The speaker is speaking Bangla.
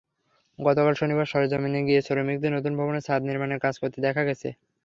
গতকাল শনিবার সরেজমিেন গিয়ে শ্রমিকদের নতুন ভবনের ছাদ নির্মাণের কাজ করতে দেখা গেছে।